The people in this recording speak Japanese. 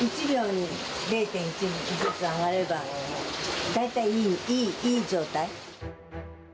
１秒に０．１ずつ上がれば、大体いい状態。